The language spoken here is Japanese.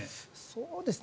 そうですね